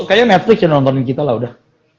kayaknya netflix yang nontonin kita lah udah